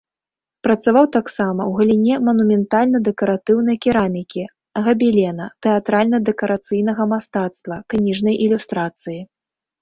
Працаваў таксама ў галіне манументальна-дэкаратыўнай керамікі, габелена, тэатральна-дэкарацыйнага мастацтва, кніжнай ілюстрацыі.